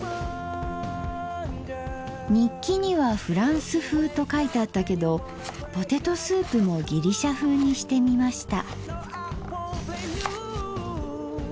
日記には「ふらんすふう」と書いてあったけどポテトスープもギリシャふうにしてみました。